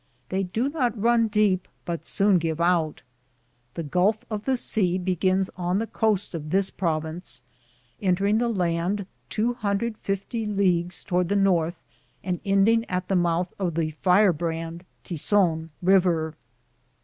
They do not run deep, but soon give out. The gulf of the sea begins on the coast of this province, entering the land 250 leagues toward the north and end ing at the mouth of the Firebrand (Tizon) river.